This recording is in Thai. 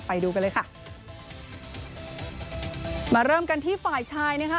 ไปดูกันเลยค่ะมาเริ่มกันที่ฝ่ายชายนะคะ